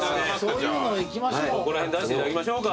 そこら辺出していただきましょうか。